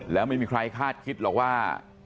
แล้วไม่มีใครคาดคิดหรอกว่า